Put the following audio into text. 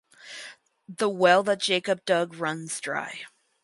The well that Jacob dug runs dry.